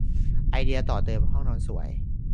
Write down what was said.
ไอเดียต่อเติมห้องนอนสวย